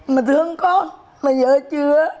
mà thương con mà dỡ chứa